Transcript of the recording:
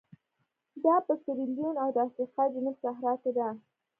دا په سیریلیون او د افریقا جنوب صحرا کې ده.